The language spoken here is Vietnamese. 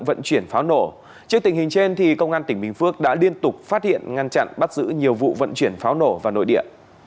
vận chuyển pháo nổ trước tình hình trên công an tỉnh bình phước đã liên tục phát hiện ngăn chặn bắt giữ nhiều vụ vận chuyển pháo nổ vào nội địa